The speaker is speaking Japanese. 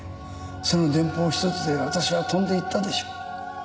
その電報ひとつで私は飛んで行ったでしょう。